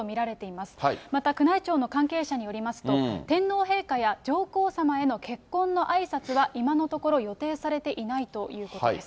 また、宮内庁の関係者によりますと、天皇陛下や上皇さまへの結婚のあいさつは今のところ予定されていないということです。